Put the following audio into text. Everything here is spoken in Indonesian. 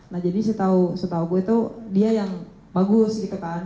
nah jadi setahu gue itu dia yang bagus gitu kan